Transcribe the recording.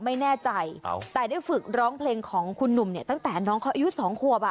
ไม่แน่ใจแต่ได้ฝึกร้องเพลงของคุณหนุ่มเนี่ยตั้งแต่น้องเขาอายุสองขวบอ่ะ